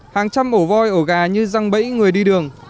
hàng trăm ổ voi ổ gà như răng bẫy người đi đường